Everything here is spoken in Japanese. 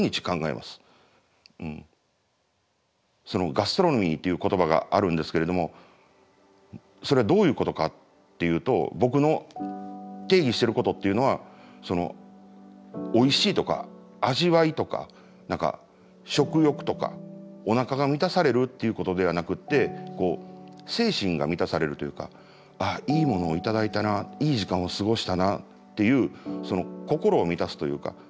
ガストロノミーっていう言葉があるんですけれどもそれはどういうことかっていうと僕の定義してることっていうのはおいしいとか味わいとか何か食欲とかおなかが満たされるっていうことではなくってああいいものを頂いたないい時間を過ごしたなっていう心を満たすというか。